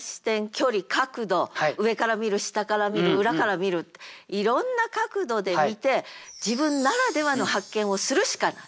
距離角度上から見る下から見る裏から見るっていろんな角度で見て自分ならではの発見をするしかない。